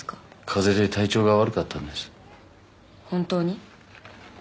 風邪で体調が悪かったんです本当に？